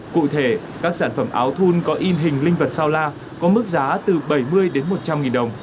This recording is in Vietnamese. cụ thể các sản phẩm áo thun có in hình linh vật sao la có mức giá từ bảy mươi đến một trăm linh nghìn đồng